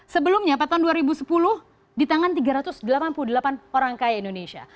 sebelumnya pada tahun dua ribu sepuluh di tangan tiga ratus delapan puluh delapan orang kaya indonesia